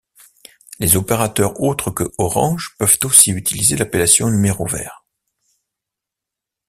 Les opérateurs autres que Orange peuvent aussi utiliser l’appellation Numéro Vert.